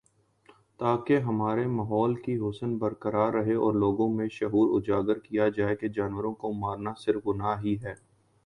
تاکہ ہمارے ماحول کی حسن برقرار رہے اور لوگوں میں شعور اجاگر کیا جائے کہ جانوروں کو مار نا صرف گناہ ہی نہیں